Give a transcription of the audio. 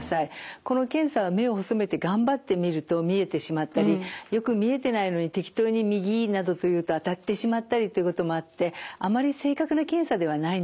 この検査は目を細めて頑張って見ると見えてしまったりよく見えてないのに適当に「右」などと言うと当たってしまったりということもあってあまり正確な検査ではないんです。